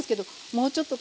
もうちょっと。